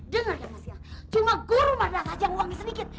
dengarkan mas ya cuma guru madrasah aja yang uangnya sedikit